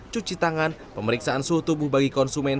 cuci tangan pemeriksaan suhu tubuh bagi konsumen